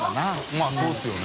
まぁそうですよね。